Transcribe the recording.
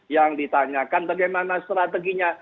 yang ditanyakan bagaimana strateginya